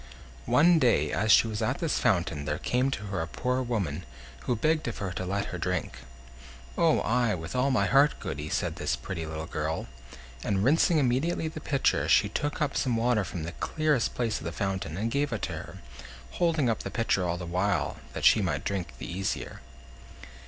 One day, as she was at this fountain, there came to her a poor woman, who begged of her to let her drink. "Oh! ay, with all my heart, Goody," said this pretty little girl; and rinsing immediately the pitcher, she took up some water from the clearest place of the fountain, and gave it to her, holding up the pitcher all the while, that she might drink the easier.